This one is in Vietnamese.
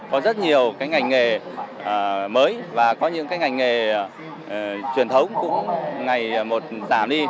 có rất nhiều cái ngành nghề mới và có những cái ngành nghề truyền thống cũng ngày một giảm đi